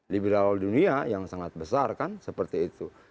liberal dunia yang sangat besar kan seperti itu